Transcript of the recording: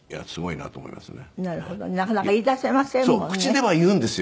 なかなか言い出せませんもんね。